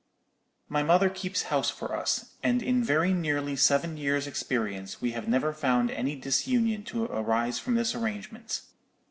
"My mother keeps house for us; and in very nearly seven years' experience we have never found any disunion to arise from this arrangement.